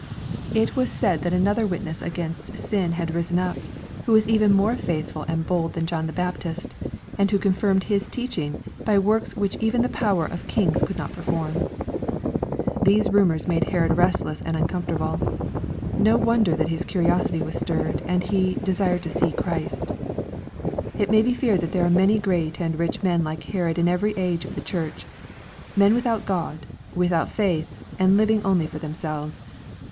It was said that another witness against sin 450 EXPOSITORY THOUGHTS had risen up, who was evea more faithful and bold than John the Baptist, and who confirmed his teaching by works which even the power of kings could not perform. These rumors made Herod restless and uncomfortable. No wonder that his curiosity was stirred, and he "de sired to see Christ/' It may be feared that there are many great and rich men like Herod in every age of the church, men without Gh)d, without faith, and living only for themselves.